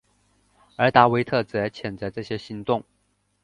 而达维特则谴责这些行动。